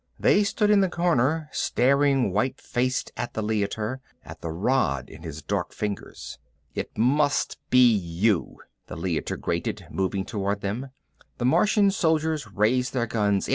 They stood in the corner, staring white faced at the Leiter, at the rod in his dark fingers. "It must be you," the Leiter grated, moving toward them. The Martian soldiers raised their guns.